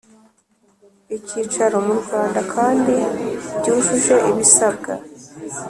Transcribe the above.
Icyicaro mu rwanda kandi byujuje ibisabwa